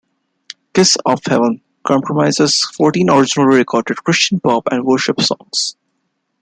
"Kiss of Heaven" comprises fourteen originally-recorded "Christian pop" and worship songs.